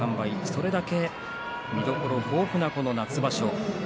それだけ見どころ豊富な夏場所。